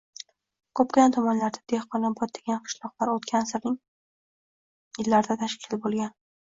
Ko‘pgina tumanlarda Dehqonobod degan qishloqlar o‘tgan asrning - yillarida tashkil bo‘lgan.